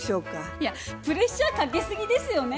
いやプレッシャーかけすぎですよね。